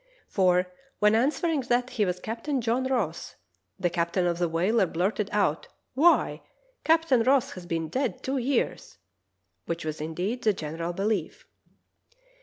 For when answering that he was Captain John Ross, the captain of the whaler blurted out, "Why, Captain Ross has been dead two years," which was indeed the general belief.